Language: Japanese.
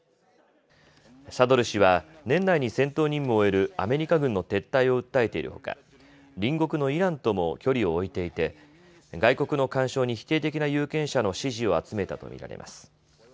サドル師は年内に戦闘任務を終えるアメリカ軍の撤退を訴えているほか隣国のイランとも距離を置いていて外国の干渉に否定的な有権者の支持を集めたと見られます。